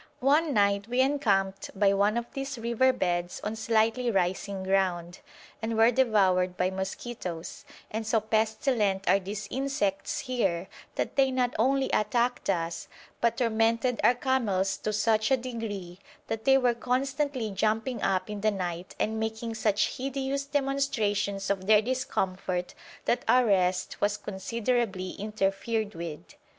One night we encamped by one of these river beds on slightly rising ground, and were devoured by mosquitoes, and so pestilent are these insects here that they not only attacked us, but tormented our camels to such a degree that they were constantly jumping up in the night and making such hideous demonstrations of their discomfort that our rest was considerably interfered with.